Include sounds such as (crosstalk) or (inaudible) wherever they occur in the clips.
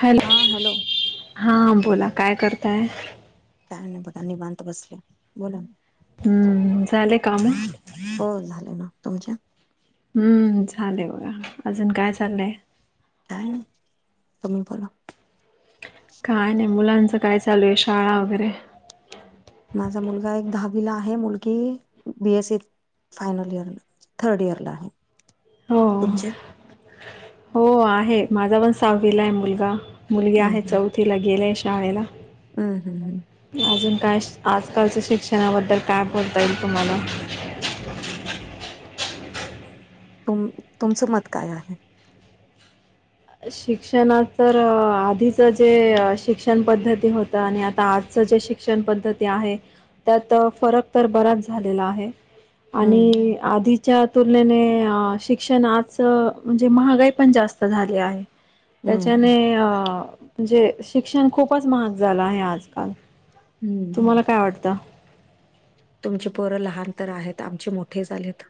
Hello हा बोला काय करताय? काय नाय बघा निवांत बसलीये बोला हम्म झाले काम हो झाले ना तुमच्या हम्म झाले बघा अजून काय चाललंय? काय नाय तुम्ही बोला काय नाय मुलांचं काय चालू आहे शाळा वगैरे माझा मुलगा एक दहावीला आहे मुलगी बी एस सीत फायनल इयर ला थर्ड इयरला आहे. हो तुमचे हो आहे माझा पण सहावील आहे मुलगा. मुलगी आहे चौथीला गेलय शाळेला हम् हम्म अजून काय आजकालच्या शिक्षणाबद्दल काय बोलता येईल तुम्हाला तुम तुमचं मत काय आहे? शिक्षणात तर आधीचं जे शिक्षण पद्धती होत आणि आता आजचं जे शिक शिक्षण पद्धती आहे त्यात फरक तर बराच झालेला आहे. हम्म आणि आधी च्या तुलनेने अं शिक्षण आज म्हणजे महागाई पण जास्त झाली आहे. हम्म त्याच्याने अ म्हणजे शिक्षण खूपच महाग झालं आहे आजकाल हम्म तुम्हाला काय वाटतं? तुमची पोरं लहान तर आहेत आमचे मोठे झालेत.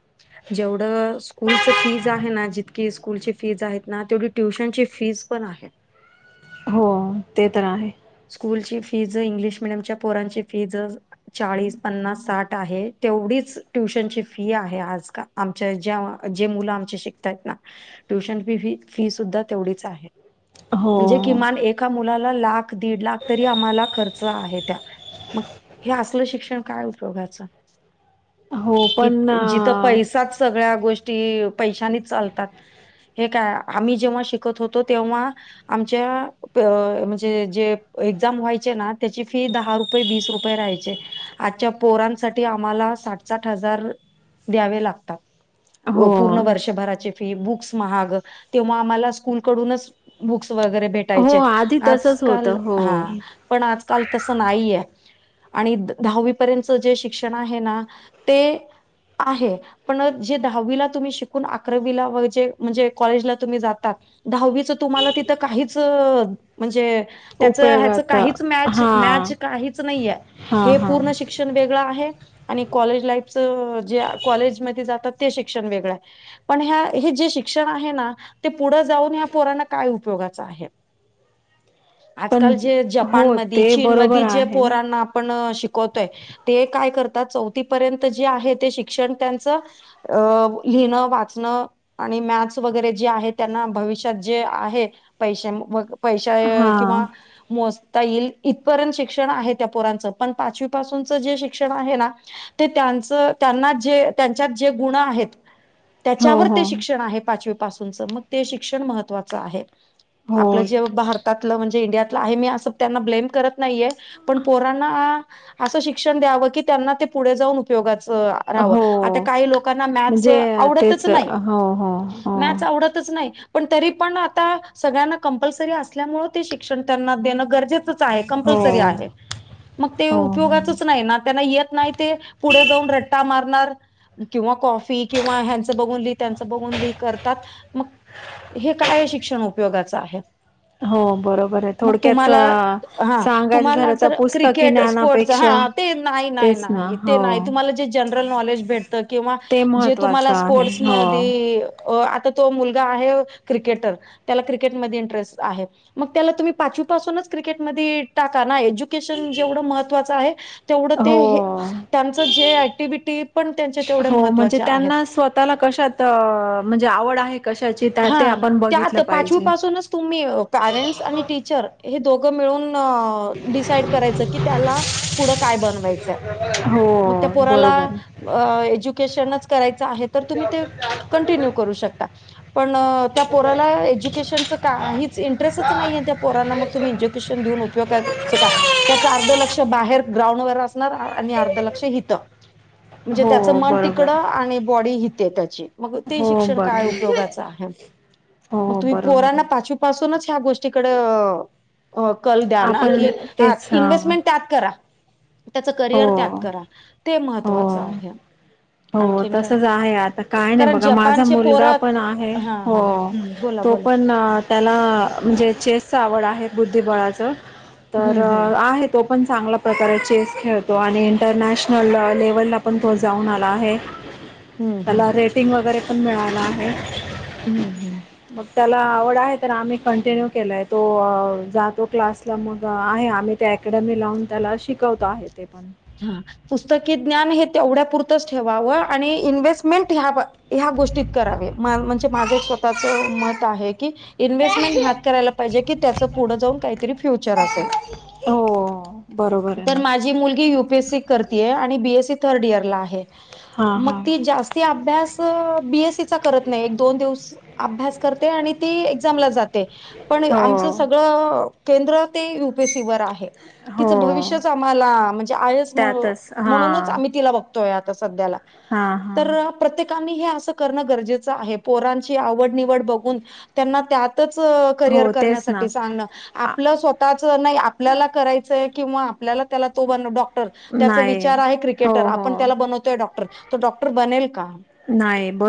जेवढं स्कूलच फीज आहे ना जीत तकी स्कूल ची फीज आहेत ना तेवढी ट्युशन ची फीज पण आहे. हो ते तर आहे. स्कूलची फीज इंग्लिश मिडियमच्या पोरांची फीज चाळीस पन्नास साठ आहे. तेवढीच ट्युशनची फी आहे. आजकाल आमच्या ज्या जे मुलं आमचे शिकतायत ना ट्युशन फी फी फी सुद्धा तेवढीच आहे हो, म्हणजे किमान एका मुलाला लाख दीड लाख तरी आम्हाला खर्च आहे त्या मग हे असल शिक्षण काय उप उपयोगाच हो, कि पण अ, जिथं पैसाच सगळ्या गोष् ष्टी पैशानीच चालतात. हे काय आम्ही जेव्हा शिकत होतो तेव्हा आमच्या प म्हणजे जे एक्झाम व्हायचे ना त्याची फी दहा रुपये वीस रुपये राहायचे. आजच्या पोरांसाठी आम्हाला साठ साठ हजार द्यावे लागतात. पू हो, पूर्ण वर्षभराचे फी बुक्स महाग तेव्हा आम्हाला स्कूल कडूनच बुक्स वैगरे भेट हो, टायचे आधी तसंच आजकाल होतं. हा हो. पण आजकाल तस नाहीय आणि दहावी पर्यंतच जे शिक्षण आहे ना ते आहे पण जे दहावीला तुम्ही शिकून अकरावीलाे म्हणजे कॉलेजला तुम्ही जातात दहावी तुम्हाला तिथ काहीच म्हणजे त्याच ह्याच उपयोगात काहीच मॅच हा काहीच नाहीय हा हे हा पूर्ण शिक वे क ला क शिक्षण वेगळ आहे पण ह्या हे जे शिक्षण आहे ना ते पुढं जाऊन ह्या पोरांना काय उपयोगाचं आहे पण आजकाल जे जपान हो मध ते चीन मध बरोबर जे आहे पोरण आपण शिक चवतोय ते काय करतात चौथी पर्यंत जे आहे ते शिक्षण त्यांचं अ लिहिणं वाचणं आणि मॅथ्स वगैरे जे आहे त्यांना भविष्यात जे आहे पैसे पैशा हा किंवा मोजता येईल इथपर्यंत शिक्षण आहे त्या पोरांचं पण पाचवीपासूनच जे शिक्षण आहे ना ते त्यांच त्यांना जे त्यांच्यात जे गुण आहेत हो त्याच्यावर हो ते शिक्षण आहे पाचवीपासूनचं मग ते शिक्षण महत्त्वाचं आहे हो आपलं जे भारतातलं म्हणजे इंडियातलं आहे मी अस त्यांना ब्लेम करत नाहीये पण पोरांना असं शिक्षण द्याव की त्यांना ते पुढे जाऊन उपयोगाच रावं आता हो काही लोकांना मॅथस म्हणजे आवडतच तेच नाही हो हो हो मॅथ आवडत नाही पण तरी पण आता सगळ्यांना कंपल्सरी असल्यामुळे ते शिक्षण त्यांना देणं गरजेच क हो हो हो पुढे जाऊ रा मारणार किंवा क फी किंवा ह्यांच बघून लि त्यांच बघून लि करतात मग हे काय शिक्षण उपयोगाचं आहे हो बरोबर बर मग थोडक्यात तुम्हाला हा सांगायचं तुम्हाला झालं तर जर पुस्तकी क्रिकेट स्पोर्टच ज्ञानापेक्षा हा ते नाही नाही तेच ना नाही ते हो नाही तुम्हाला जे जनरल नॉलेज भेटत किंवा ते तुम्हाला महत्त्वाचं आहे हो स्पोर्टसमध्ये अ आता तो मुलगा आहे क्रिकेटर त्याला क्रिकेटमध्ये इंटरेस्ट आहे मग त्याला तुम्ही पाचवीपासूनच क्रिकेटमध्ये टाका ना एज्युकेशन जेवढं महत्त्वाचं तेवढं ते हो त्यांचं जे ऍक्टिव्हटी पण त्यांचे तेवढ्या महत्त्वाच्या आहेत ताला कशात म्हणजे आवड आहे कशाचीित हा त्यात पाचवीपासूनच तुम्ही पॅरेंट्स आणि टीचर हे दोघं मिळून डिसाइड करायच की त्याला पुढं काय बनवायचं मग त्या हो बरोबर. पोराला एज्युकेशनच करायचं आहे तर तुम्ही ते कंटिन्यू करू शकता पण त्या पोराला एज्युकेशनच काहीच इंटरेस्टच नाही आहे त्या पोराांना मग (unintelligible) आणि अर्ध लक्ष हितं म्हणजे त्याचं हो मन बरोबर. तिकडं आणि बॉडी हिते त्याची मग ते हो शिक्षण काय बरोबर. उपयोगा मग हो तुम्ही बरोबर आहे. पोरांना पाचवीपासूनच ह्या गोष्टीकडे अ कल द्या ना आपण की हा तेच हां. इन्व्हेस्टमेंट त्यात करा त्याच करिअर त्यात हो. करा ते महत्त्वाचं हो. आहे हो आणखीन काय तसच आहे आता काय नाही कारण बघा माझा जपानचे मुलगा पोरत पण आहे हा हा हो हम्म बोला तो बोला पण त्याला म्हणजे चेसच आवड आहे बुद्धिबळाचं तर हम्म हम्म आहेत तो पण चांगल्या प्रकारे चेस खेळतो तो आणि इंटरनॅशनल लेवल ला पण तो जाऊन आला आहे हम्म त्याला हम्म रेट फिंग वगैरे पण मिळाला आहे हम्म हम्म मग त्याला आवड आहे तर आम्ही कंटिन्यू केला आहे तो जातो क्लासला मग आहे आम्ही ते अकॅडमी लावून त्याला शिकवत आहे ते पण हा पुस्तकी ज्ञान हे तेवढ्या पुुरतंच ठेवावं आणि इन्व्हेस्टमेंट ह्या ह्या गोष्टीत करावे म्हणजे माझं एक स्वतःच मत आहे की इन्व्हेस्टमेंट ह्यात करायला पाहिजे की त्याचं पुढे जाऊन काहीतरी फ्युचर असेल हो बरोबर आहे ना मु यपीएस बीसीथर्डर आहे हां हां ती अभ्यास बीएससी चा करत नाही एक दोन दिवस अभ्यास करते आणि ती एक्झामला जाते पण आमच हो सगळं केंद्र ते युपीसी वर आहे हो तिचं भविष्यच आम्हाला म्हणजे आ त्यातच हा म्हणूनच आम त बघतोय आ सध्या हा हा तर प्रत्येकानी हे असं करणं गरजेचं आहे पोरांची आवड निवड बघून त्यांना त्यातच करिअर हो तेच ना करण्यासाठी सांगण आपलं स्वतःच नाही आपल्याला करायचंय किंवा आपल्याला त्याला तो ब डॉ र त्याचा नाही विचार आहे हो क्रिकेटर हो आपण त्याला बनवतोय डॉक्टर त डॉक्टर बनेल का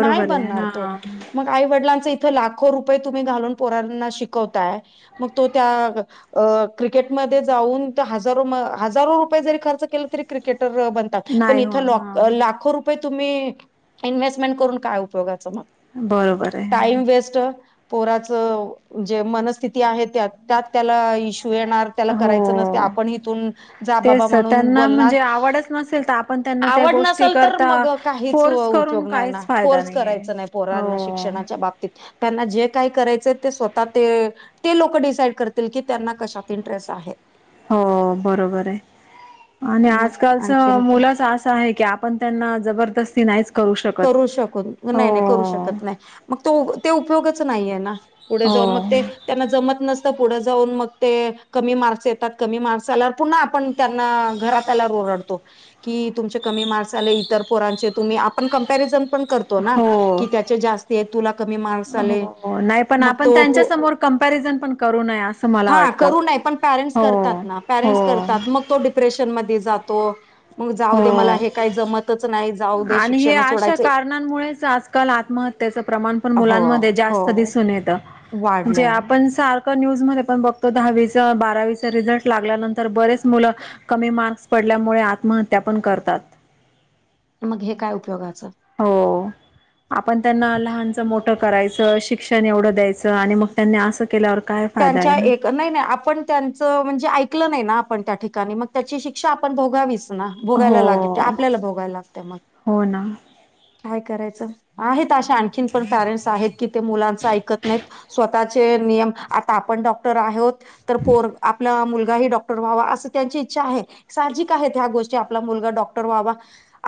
नाही आहे बनणार तो हा मग आई वडिलांचं इथं लाखो रुपये तुम्ही घालून पोरांना शिकवताय मग तो त्या क्रिकेटमध्ये जाऊन ह हजार रुपये जरी ख ब नाही इ हो हा ला तुम्ही इन्व्हेस्टमेंट करून काय उपयोगाचं मग बरोबर आहे टाईम वेस्ट पोराच जे मनस्थिती आहे त्या त्यात त्याला इशू येणार त्याला हो करायच नसते आपण हथून जा बाबा तेच म्हणून त्यांना बोलण म्हणजे आवडच नसेल तर आपण त्यांना त्या आवड गोष्टी नसेल तर करता मग काहीच फोर्स करून उपयोग नाही ना काहीच फायदा कोर्स नाहीये करायच नाही हो पोरांना शिक्षणाच्या बाबतीत त्यांना जे काही करायचंय ते स्वतः ते ते लोक डिसाइड करतील की त्यांना कशात इंटरेस्ट आहे हो बरोबर आहे आणि मग आजकालच आणखीन काय मुलंच असं आहे की पण त्यांना जबरदस्ती नाहीच करू शकून हो नाही नाही करू शकत नाही मग तो ते उपयोगाच नाहीये ना पुढे जाऊन मग हो ते त्यांना जमत नसतं पुढे जाऊन मग ते कमी मार्क्स येतात कमी मार्क्स आल्यावर पुन्हा आपण त्यांना घातला रतो की तुम कमी मारस आले इतर पोरांचे तुम् आपण कंपरिज पण करत हो की त्या जास् तुला क मार्क्स आले हो नाही पण मग आपण त्यांच्या तो समोर कंपॅरिझन पण करू नये असं मला हा वाटतं कर पण परं हो करतात ना परं हो करतात मग तो म हो का ज नाही आणि हे शिक्षण अशा सोडायचं कारणांमुळेच आजकाल आत्महत्येचं प्रमाण पण हो मुलांमध्ये हो जास्त दिसून येतं म्हणजे वाढलंय. आपण सारख न्यूज मध्ये पण बघतो दहावीचा बारावीचा रिझल्ट लागल्यानंतर बरेच मुलं कमी मार्क्स पडल्यामुळे आत्महत्या पण करतात मग हे काय उपयोगाचं हो आपण त्यांना लहानचं मोठं करायचं शिक्षण एवढं द्यायचं आणि मग त्यांनी असं केल्यावर काय फायदा आहे त्यांच्या ना एक नाही नाही आपण त्यांचं म्हणजे ऐकलं नाही ना आपण त्या ठिकाणी मग त्याची शिक्षा आपण भोगावीच भोगायला लागे हो आपल्याला भोगायला लागत मग हो ना काय करायचं आहेत अशे आणखीन पण पॅरेंट्स आहेत कि ते मुलांच ऐकत नाही स्वतःचे नियम आता आपण डॉक्टर आहोत तर पर आपला मुलगाही डॉ व्हावा असं त्यांची इच्छा आहे साहजिक आहेत ह्या गोष्टी आपला मुलगा डॉक्टर व्हावा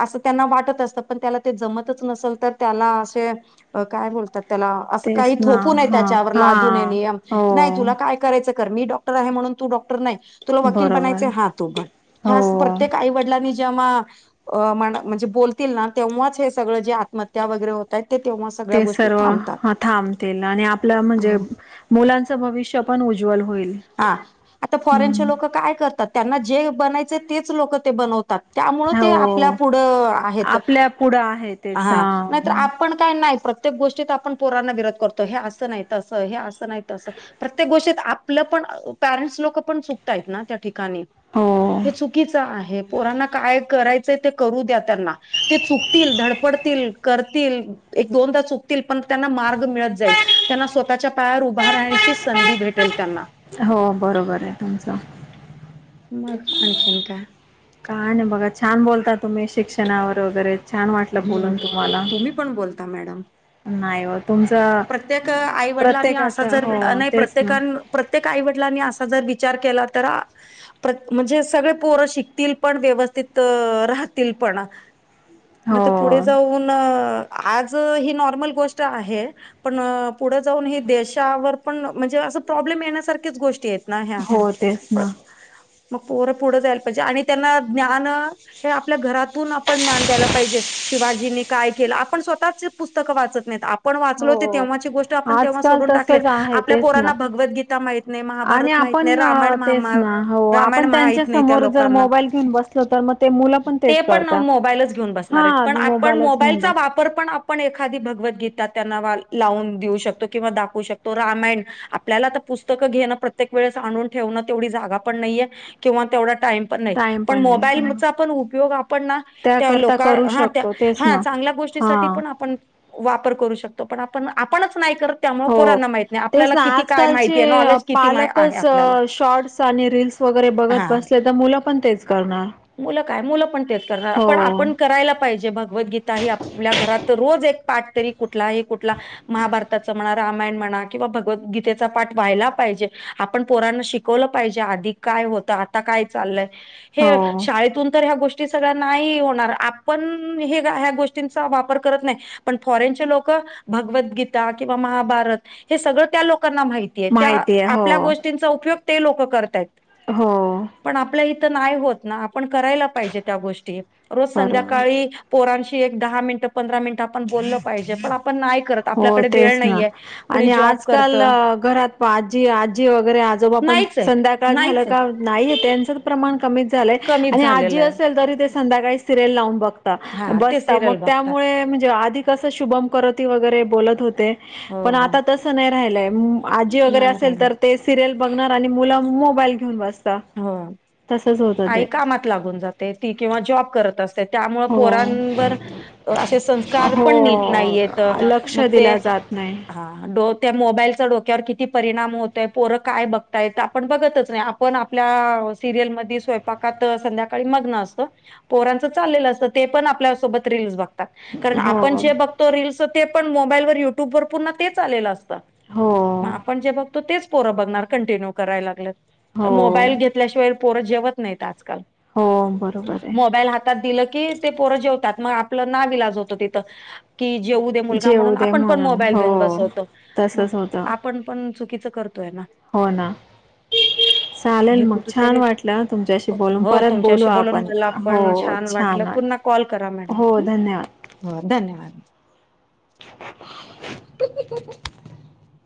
असं त्यांना वाटतं असतं पण त्याला ते जमतच नसेल तर त्याला असे अ काय बोलतात त्याला असं तेच काही ना थोपू नये हा त्याच्यावर हा लादू नये नियम हो नाही तुला काय कं रायचं कर मी डॉक्टर आहे म्हणून तू डॉक्टर नाही तुला वकील बरोबर बनायचं हा तण हो ह प्रत्येक आई वडलांनी जेव्हा म्हणजे बतील ना तेव्हाच सगळं जे आत्म त्या वगैरे होत आहेत तेव्हा सगळ्या ते गोष्टी सर्व थांबतात. थांबतील आणि आपलं म्हणजे हो. मुलांचं भविष्य पण उज्ज्ल होईल हा आता फॉरेनचे लोक हम्म काय करतात त्यांना जे बनायचं तेच लोक ते बनवतात त्यामुळं ते आपल्या हो पुढं आहेत आपल्या पुढं आहे तेच हा नाहीतर आप आपण काय नाही प्रत्येक गोष्टीत आपण पोरांना विरोध करतो हे असं नाही असं हे असं नाही प्रत्येक गोष्टी आपल पण पेरेंट्स लोक पण चुकतात ठिकाणी हो हे चुकीचं आहे पोरांना काय करायचंय ते करू द्या त्यांना ते चुकतील धडपडतील करतील एक दोनदा चुकतील पण त्यांना मार्ग मिळत जाईल त्यांना स्वतःच्या पायावर उभा राहण्याची संधी भेटेल त्यांना हो बरोबर आहे तुमचं मग आणखीन काय काय नाही बघा छान बोलता तुम्ही शिक्षणावर वगैरे छान वाटलं बोलून हम्म तुम्हाला तुम्ही पण बोलता मॅडम नाही व तुमच प्रत्येक आई वडिलांनी असा प्रत्येकाच जर हो नाही तेच ना प्रत्येकान प्रत्येक आईवडिलांनी असा जर विचार केला तर म्हणजे सगळे पोरं शिकतील पण व्यवस्थित राहतील पण मग हो तर पुढे जाऊन आज ही नॉर्मल गोष्ट आहे पण पुढे जाऊन हे देशावर पण म्हणजे असं प्रॉब्लेम येण्यासारख्याच गोष्टी आहेत नाही ह्या हो तेच ना मग पोर पुढं जायला पाहिजे आणि त्यांना ज्ञान हे आपल्या घरातून आपण ज्ञान द्यायला पाहिजे शिवाजींनी काय केलं आपण स्वतःच पुस्तक वाचत नाहीत आपण वाचलो हो तेव्हाची गोष्ट आपण तेव्हा आजकाल सोडून टाकले तसच आहे आपल्या तेच ना पोरांना भगवद्गीता माहिती नाही महाभारत आणि माहित नाही आपण रामायण तेच महा ना हो रामायण आपण त्यांच्या माहित नाही त्या समोर जर लोकांना मोबाईल घेऊन बसलो तर मग ते मुलं ते तेच पण करता मोबाईलच घेऊन बसणार हा पण आपण मो मोबाईलच घेऊन बस वापर पण आपण एखादी भगवद्गीता त्यांना लावून देऊ शकतो किंवा दाखवू शकतो रामायण आपल्याला आता पुस्तकं घेणं प्रत्येक वेळेस आणून ठेवणं तेवढी जागा पण नाहीये किंवा तेवढा टाइम टाइम पण नाही ह मोबाईलचा पण उपयोग आपण ना त्याकरता करू ह शकतो तेच ह ना चांगल्या गोष्टी हा वापर करू शकतो पण आपण आपण नाही कर हो तेच ना माहिती आजकालचे आहे नॉलेज किती आहे पालकच आपल्याला शॉर्ट्स आणि रीलस वगैरे बघत हा बसले तर मुलं पण तेच करणार मुलं काय मुलं पण तेच करणार हो पण आपण करायला पाहिजे भगवद्गीता ह आपल्या घरात रोज एक पाठ तरी कुठलाही कुठला महाभारताच म्हणा रामायण म्हणा किंवा भगवद्गीतेचा पाठ व्हायला पाहिजे आपण पोरांना शिक शिकवलं पाहिजे आधी काय होतं आता काय चालय हे हो शाळेतून तर ह्या गोष्टी सगळ्या नाही होणार आपण हे ह्या गोष्टींचा वापर करत नाही पण फॉरेनचे लोक भगवद्गीता किंवा महाभारत हे सगळं त्या लोकांना माहिती त्या आहे आपल्या हो गोष्टींचा उपयोग ते लोक करताय हो पण आपल्या इथं नाही होत ना आपण करायला पाहिजे त्या गोष्टी ज बरोबर संध्याकाळी पोरांशी एक दहा मिनटं पंधरा मिनटं आपण बोलल पाहिजे पण आपण नाही करत हो आपल्याकडे तेच वेळ ना नाहीये कुणी आणि जॉब करत आजकाल अ, घरात आजी आजी वगैरे आजोबा पण नाहीच आहेत संध्याकाळ झालं नाहीच का आहेत नाही त्यांचंच प्रमाण कमीच झालंय कमीच आणि आजी झालेलं आहे असेल तरी ते संध्याकाळी सिरयल लावून बघ हा ते बस मग सिरियल बघतात त्यामुळे म्हणजे आधी कस शुभम कर वरे बत होते हो पण हो आता तस नाही राहि आजी वगैरे नाही असेल राहिला तर ते सिरियल बघणार आणि मुलं मोबाईल घेऊन बसत तसच होतं ते जातिंवा जॉब करत अस त्यामुळे हो पोरांवर असे संस्कार पण नीट नाही येत मग ते साात नाही हा डो त्या मोबाईलचा डोक्यावर किती परिणाम होतोय पोरं काय बघतायेत आपण बघतच नाही आपण आपल्या सिरियल म स्वयंपाकात संध्याकाळी मग्न असत पोरांचं चाललेलं असतं ते पण आपल्यासोबत रीलज बघत कारण आपण हो जे बघतो रीलस ते पण मोबाईल व युट्यूब वर पर्ण तेच आलेलं असतं हो मग आपण जे बघतो तेच पोरं बघणार कंटिन्यू करायला लागलं हो ल घेतल्याशिवाय प जेवत नाही आज हो बरोबर मो आहे दिलं की ते पोरं जेवतात मग आपलं ना विलाज होत तिथं कि जेऊ दे मुलगा जेऊ म्हणून दे आपण पण मोबाईल हो देऊन बसवतो मग तसच होत आपण पण चुकीच करतो हो आहे ना हो ना चालेल हे मग छान कुठेतरी वाटलं तुमच्याशी बोलून हो परत बोलू तुमच्याशी बोलून आपण मला हो पण वाटलं छान वाट पुन्हा कॉल करा मॅडम हो धन्यवाद हो धन्यवाद (inaudible)